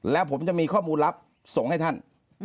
แล้วผมจะมีข้อมูลลับส่งให้ท่าน